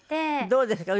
どうですか？